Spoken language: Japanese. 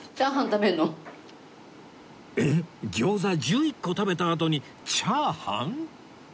えっ餃子１１個食べたあとにチャーハン？